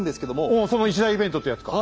おおその一大イベントっていうやつか。